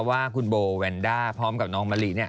ว่าคุณโบแวนด้าพร้อมกับน้องมะลิ